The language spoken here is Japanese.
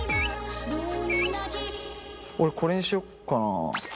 俺これにしよっかなあ。